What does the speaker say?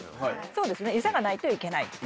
そうですね餌がないといけない。